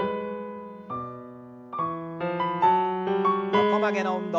横曲げの運動。